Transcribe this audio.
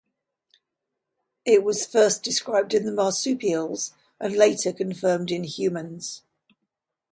It was first described in the marsupials and later confirmed in humans.